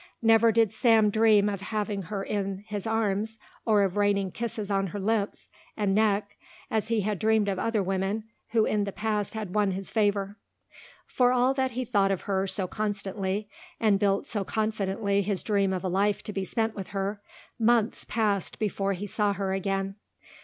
Never did Sam dream of having her in his arms or of raining kisses on her lips and neck as he had dreamed of other women who in the past had won his favour. For all that he thought of her so constantly and built so confidently his dream of a life to be spent with her, months passed before he saw her again.